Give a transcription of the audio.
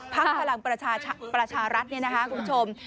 ภักดิ์พลังประชารัฐคุณผู้ชม